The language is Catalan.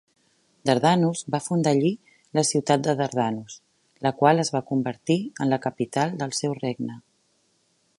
Dardanus va fundar allí la ciutat de Dardanus, la qual es va convertir en la capital del seu regne.